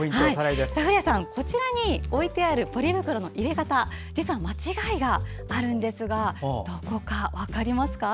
古谷さん、こちらに置いてあるポリ袋の入れ方実は間違いがあるんですがどこか分かりますか？